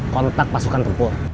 kontak pasukan tempur